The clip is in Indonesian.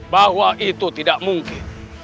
bahwa itu tidak mungkin